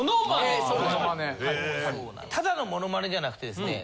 ただのモノマネじゃなくてですね。